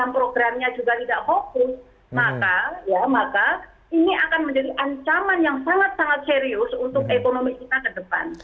maka ya maka ini akan menjadi ancaman yang sangat sangat serius untuk ekonomi kita ke depan